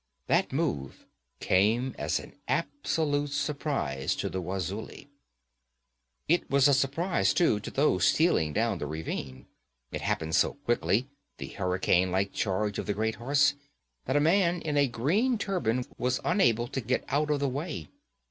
That move came as an absolute surprize to the Wazulis. It was a surprize, too, to those stealing down the ravine. It happened so quickly the hurricane like charge of the great horse that a man in a green turban was unable to get out of the way.